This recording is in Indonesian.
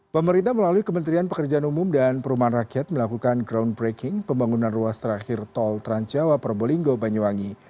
pemerintah melalui kementerian pekerjaan umum dan perumahan rakyat melakukan groundbreaking pembangunan ruas terakhir tol transjawa probolinggo banyuwangi